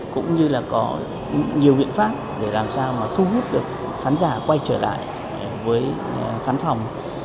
cũng như là có nhiều biện pháp để làm sao mà thu hút được khán giả quay trở lại với khán phòng